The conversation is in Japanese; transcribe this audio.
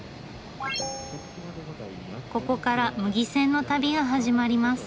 ここから牟岐線の旅が始まります。